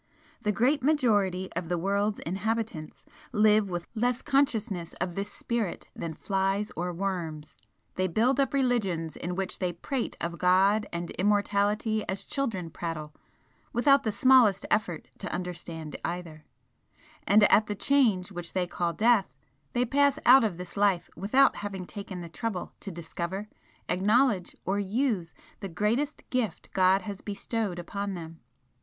The great majority of the world's inhabitants live with less consciousness of this Spirit than flies or worms they build up religions in which they prate of God and immortality as children prattle, without the smallest effort to understand either, and at the Change which they call death, they pass out of this life without having taken the trouble to discover, acknowledge or use the greatest gift God has bestowed upon them.